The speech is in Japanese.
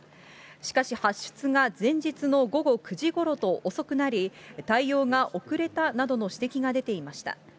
しかし、発出が前日の午後９時ごろと遅くなり、対応が遅れたなどの指摘が出ていました。